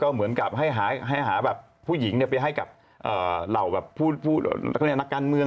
เหมือนกับให้หาผู้หญิงไปให้กับเหล่านักการณ์เมือง